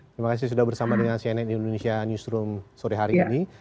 terima kasih sudah bersama dengan cnn indonesia newsroom sore hari ini